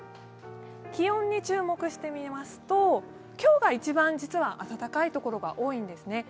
気温に注目してみますと、今日が一番実は暖かいところが多いんですね。